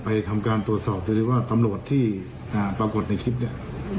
ไปทำการตรวจสอบดูดิว่าตำโหลดที่อ่าปรากฏในคลิปเนี้ย